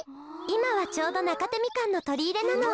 いまはちょうど中生みかんのとりいれなの。